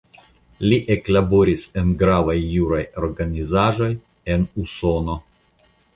Li eklaboris en gravaj juraj organizaĵoj en Usono.